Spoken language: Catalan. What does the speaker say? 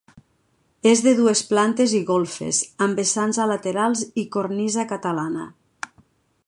És de dues plantes i golfes amb vessants a laterals i cornisa catalana.